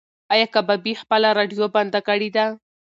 ایا کبابي خپله راډیو بنده کړې ده؟